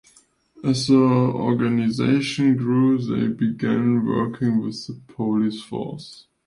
As the organization grew they began working with the police force.